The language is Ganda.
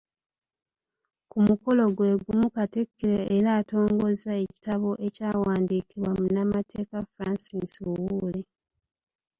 Ku mukolo gwe gumu Katikkiro era atongozza ekitabo ekyawandiikibwa munnamateeka Francis Buwuule.